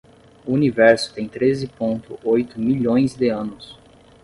O Universo tem treze ponto oito milhões de anos.